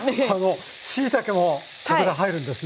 しいたけもここで入るんですね。